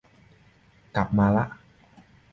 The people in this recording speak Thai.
กลับมาละ